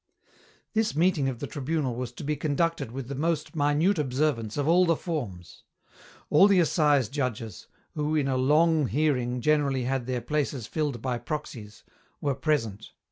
This meeting of the Tribunal was to be conducted with the most minute observance of all the forms. All the assize judges, who in a long hearing generally had their places filled by proxies, were present.